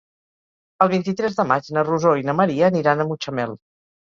El vint-i-tres de maig na Rosó i na Maria aniran a Mutxamel.